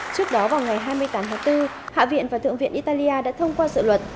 trước đó vào ngày hai mươi tám tháng bốn hạ viện và thượng viện italia đã thông qua dự luật